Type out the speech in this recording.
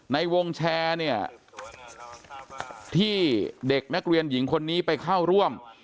ในวงแชร์เนี่ยที่เด็กนักเรียนหญิงคนนี้ไปเข้าร่วม